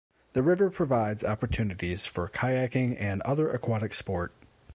The river provides opportunities for kayaking and other aquatic sport.